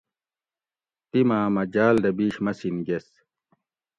تِیماٞ مٞہ جاٞل دہ بِیش مسِین گیس